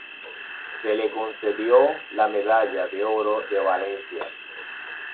Se le concedió la Medalla de Oro de Valencia.